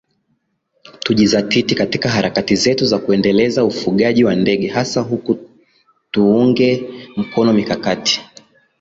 tujizatiti katika harakati zetu za kuendeleza ufugaji wa ndege hasa kuku Tuunge mkono mikakati